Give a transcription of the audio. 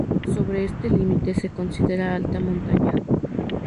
Sobre este límite se considera alta montaña.